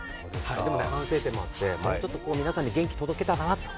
でもね、反省点もあって、もうちょっと皆さんに元気を届けたいなと。